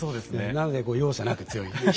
なので容赦なく強い。